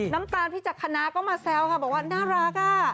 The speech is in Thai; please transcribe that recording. น้ำตาลพี่จักษณาก็มาแซวค่ะบอกว่าน่ารักอ่ะ